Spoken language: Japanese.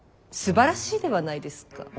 すばらしいではないですか。